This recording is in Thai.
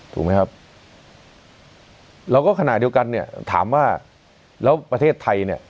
ถูกไหมครับแล้วก็ขณะเดียวกันเนี่ยถามว่าแล้วประเทศไทยเนี่ย